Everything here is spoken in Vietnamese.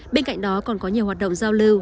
bên cạnh đó còn có nhiều hoạt động giao lưu